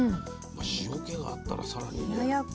塩気があったらさらにね。